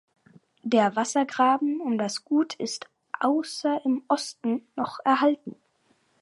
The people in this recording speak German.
Der Wassergraben um das Gut ist außer im Osten noch erhalten.